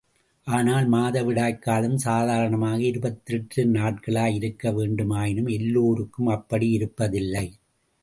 ஆனால் மாதவிடாய்க் காலம் சாதாரணமாக இருபத்தெட்டு நாட்களாயிருக்க வேண்டுமாயினும் எல்லோருக்கும் அப்படி யிருப்பதில்லை.